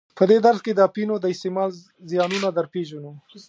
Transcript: په دې درس کې د اپینو د استعمال زیانونه در پیژنو.